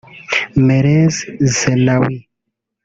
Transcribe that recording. Meles Zenawi